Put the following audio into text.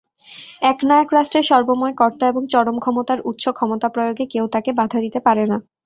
একনায়ক রাষ্ট্রের সর্বময় কর্তা এবং চরম ক্ষমতার উৎস, ক্ষমতা প্রয়োগে কেউ তাকে বাধা দিতে পারে না।